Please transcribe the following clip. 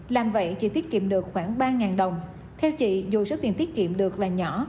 làm vậy chị tiết kiệm được khoảng ba đồng theo chị dù số tiền tiết kiệm được là nhỏ